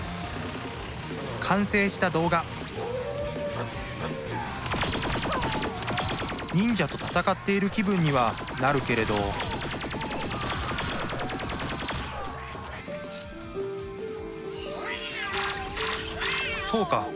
完成した動画忍者と戦っている気分にはなるけれどそうか。